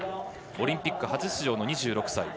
オリンピック初出場の２６歳。